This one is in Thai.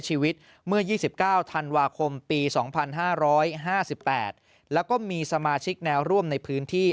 ชีวิตเมื่อ๒๙ธันวาคมปี๒๕๕๘แล้วก็มีสมาชิกแนวร่วมในพื้นที่